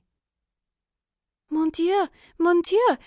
_) "_Mon Dieu! Mon Dieu!